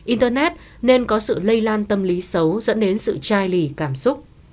internet nên có sự lây lan tâm lý xấu dẫn đến sự trai lì cảm xúc